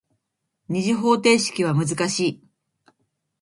二次方程式は難しい。